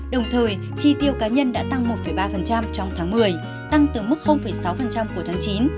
đồng thời chi tiêu cá nhân đã tăng một ba trong tháng một mươi tăng từ mức sáu của tháng chín